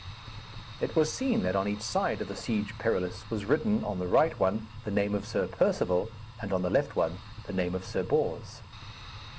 It was seen that on each side of the Siege Perilous was written, on the right one, the name of Sir Perceval, and on the left one, the name of Sir Bors.